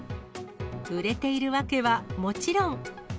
売れているわけはもちろん。